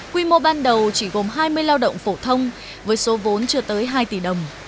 quy mô ban đầu chỉ gồm hai mươi lao động phổ thông với số vốn chưa tới hai tỷ đồng